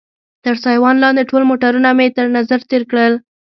تر سایوان لاندې ټول موټرونه مې تر نظر تېر کړل.